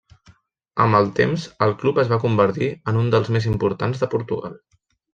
Amb el temps el club es va convertir en un dels més importants de Portugal.